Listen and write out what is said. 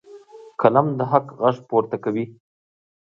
قلم د حق غږ پورته کوي.